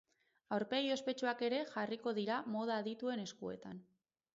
Aurpegi ospetsuak ere jarriko dira moda adituen eskuetan.